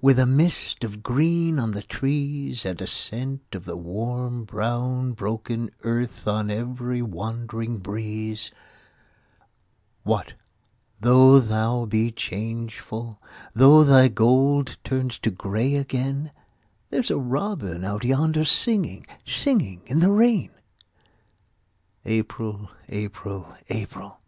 With a mist of green on the trees And a scent of the warm brown broken earth On every wandering breeze; What, though thou be changeful, Though thy gold turns to grey again, There's a robin out yonder singing, Singing in the rain. April! April! April!